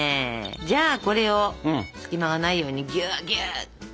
じゃあこれを隙間がないようにぎゅうぎゅうっと。